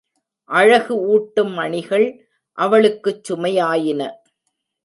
அழகு ஊட்டும் அணிகள் அவளுக்குச் சுமையாயின.